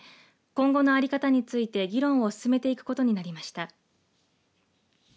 今後の在り方について議論を進めていくことになりました。